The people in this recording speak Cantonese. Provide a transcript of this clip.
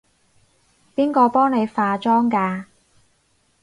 邊個幫你化妝㗎？